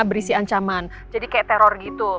berisi ancaman jadi kayak teror gitu